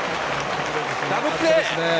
ダブルプレー！